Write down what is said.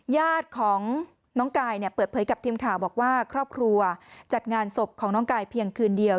ญาติของน้องกายเนี่ยเปิดเผยกับทีมข่าวบอกว่าครอบครัวจัดงานศพของน้องกายเพียงคืนเดียว